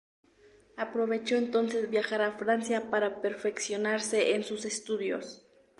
Aprovechó entonces viajar a Francia para perfeccionarse en sus estudios.